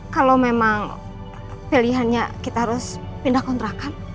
kalau memang pilihannya kita harus pindah kontrakan